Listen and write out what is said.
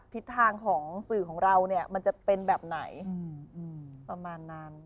ทิศทางของสื่อของเราเนี่ยมันจะเป็นแบบไหนประมาณนั้น